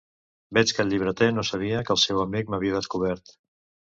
Veig que el llibreter no sabia que el seu amic m'havia descobert.